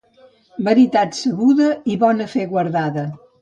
Veritat sabuda i bona fe guardada.